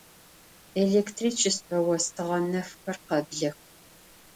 Elêktriçêstve vostığe nefxer kheblex.